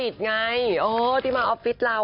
ไงที่มาออฟฟิศเรา